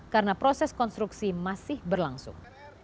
karena proses konstruksi masih berlangsung